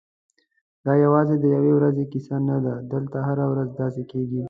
دا یوازې د یوې ورځې کیسه نه ده، دلته هره ورځ داسې کېږي.